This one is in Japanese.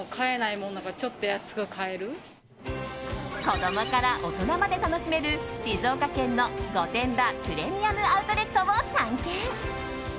子供から大人まで楽しめる静岡県の御殿場プレミアム・アウトレットを探検。